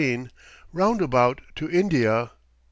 ROUNDABOUT TO INDIA.